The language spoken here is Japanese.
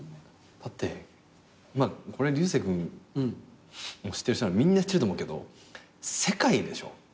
だってまあこれ流星君知ってる人ならみんな知ってると思うけど世界でしょ？